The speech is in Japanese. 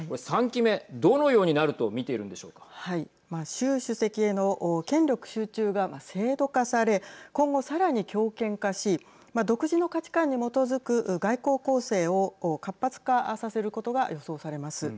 習主席への権力集中が制度化され今後さらに強権化し独自の価値観に基づく外交攻勢を活発化させることが予想されます。